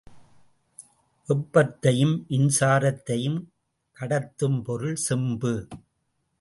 வெப்பத்தையும் மின்சாரத்தையும் கடத்தும் பொருள் செம்பு.